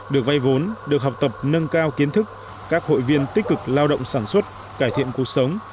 được vay vốn được học tập nâng cao kiến thức các hội viên tích cực lao động sản xuất cải thiện cuộc sống